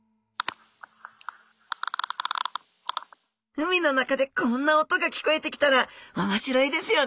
海の中でこんな音が聞こえてきたら面白いですよね！